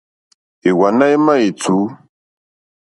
Ìwàná émá ètǔ.